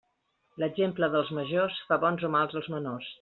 L'exemple dels majors fa bons o mals els menors.